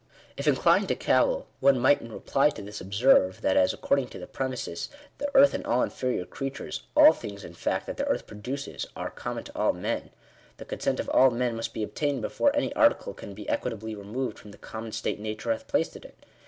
If inclined to cavil, one might in reply to this observe, that as, according to the premises, "the earth and all inferior creatures" — all things, in fact, that the earth produces — are " common to all men," the consent of all men must be obtained before any article can be equitably " removed from the common state nature hath placed it in."